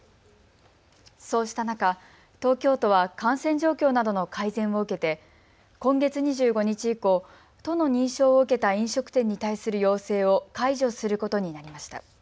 そうした中、東京都は感染状況などの改善を受けて今月２５日以降、都の認証を受けた飲食店に対する要請を解除することになりました。